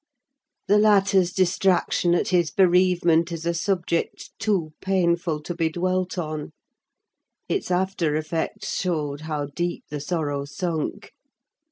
The latter's distraction at his bereavement is a subject too painful to be dwelt on; its after effects showed how deep the sorrow sunk.